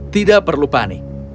tidak perlu panik